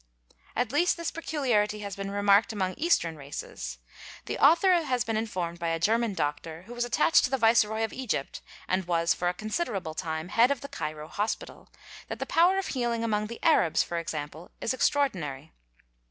At least this peculiarity has been remarked among eastern ~ races. The author has been informed by a German doctor who was_ attached to the Viceroy of Egypt and was, for a considerable time, head of the Cairo Hospital, that the power of healing among the Arabs, | for example, is extraordinary.